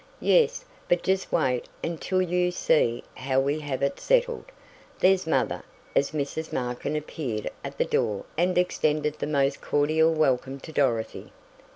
"Yes, but just wait until you see how we have it settled. There's mother," as Mrs. Markin appeared at the door and extended the most cordial welcome to Dorothy.